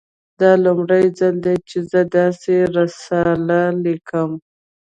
دا لومړی ځل دی چې زه داسې رساله لیکم